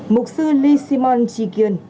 mục sư lee se mon chee kyun